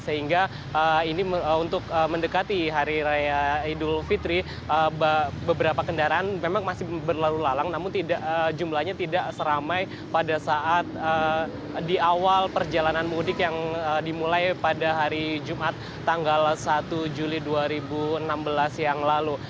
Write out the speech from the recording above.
sehingga ini untuk mendekati hari raya idul fitri beberapa kendaraan memang masih berlalu lalang namun jumlahnya tidak seramai pada saat di awal perjalanan mudik yang dimulai pada hari jumat tanggal satu juli dua ribu enam belas yang lalu